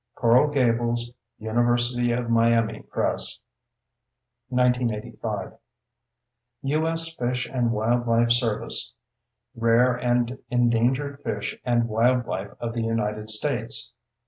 _ Coral Gables: University of Miami Press, 1985. U.S. Fish and Wildlife Service. _Rare and Endangered Fish and Wildlife of the United States.